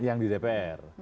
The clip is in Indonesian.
yang di dpr